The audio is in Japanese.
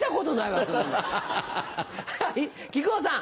はい木久扇さん。